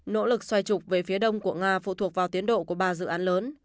nỗ lực xoay trục về phía đông của nga phụ thuộc vào tiến độ của ba dự án lớn